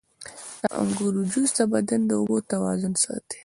• د انګورو جوس د بدن د اوبو توازن ساتي.